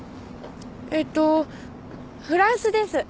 ええとフランスです。